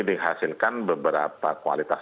dihasilkan beberapa kualitas